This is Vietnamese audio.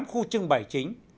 khu trưng bày chính